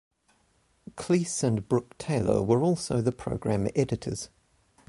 Cleese and Brooke-Taylor were also the programme editors.